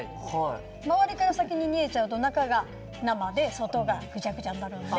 周りから先に煮えちゃうと中が生で外がぐちゃぐちゃになるんで。